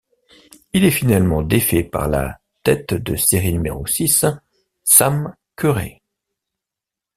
Il est finalement défait par la tête de série numéro six, Sam Querrey.